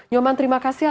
nyoman terima kasih